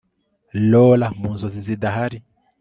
Laura mu nzozi zidahari